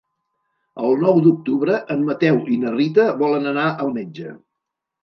El nou d'octubre en Mateu i na Rita volen anar al metge.